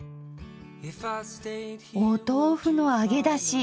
お豆腐の揚げだし！